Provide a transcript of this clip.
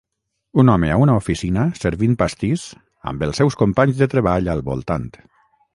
Un home a una oficina servint pastís amb els seus companys de treball al voltant.